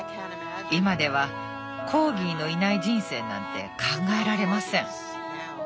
今ではコーギーのいない人生なんて考えられません。